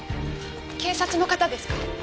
警察の方ですか？